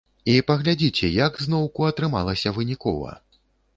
І паглядзіце, як зноўку атрымалася вынікова.